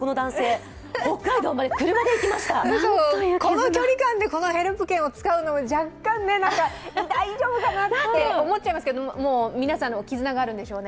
この距離感でこのヘルプ権を使うのって若干ね、大丈夫かなって思っちゃいますけど、もう、皆さんの絆があるんでしょうね。